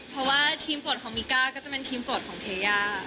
เพราะว่าทีมโปรดของมิก้าก็จะเป็นทีมโปรดของเทย่า